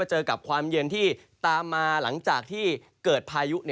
เจอกับความเย็นที่ตามมาหลังจากที่เกิดพายุ